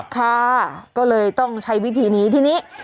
ค่ะก็เลยต้องใช้วิธีนี้ทีนี้